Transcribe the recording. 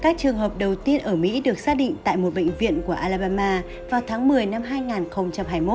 các trường hợp đầu tiên ở mỹ được xác định tại một bệnh viện của alabama vào tháng một mươi năm hai nghìn hai mươi một